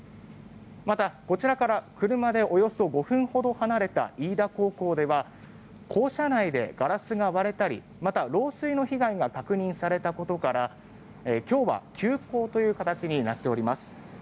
また、こちらから車でおよそ５分ほど離れた高校では校舎内でガラスが割れたりまた、漏水の被害が確認されたことから今日は休校という形になっております。